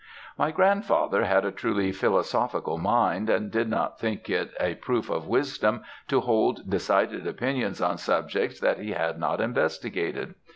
"My grandfather had a truly philosophical mind, and did not think it a proof of wisdom to hold decided opinions on subjects that he had not investigated.